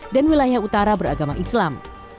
dan wilayah utara beragama islam